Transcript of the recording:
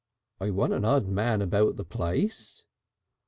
"I want an odd man about the place."